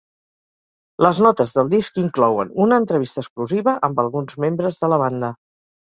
Les notes del disc inclouen una entrevista exclusiva amb alguns membres de la banda.